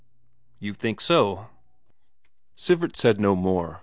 "You think so?" Isak said no more.